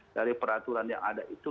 dari peraturan yang ada itu